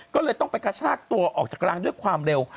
ก็เลยต้องไปกระชากตัวออกจากรางด้วยความเร็ว